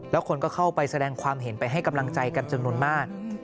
แล้วคนก็เข้าไปแสดงความเห็นไปให้กำลังใจกันจำนวนมาก